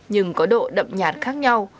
nhưng có độ đậm nhạt khác nhau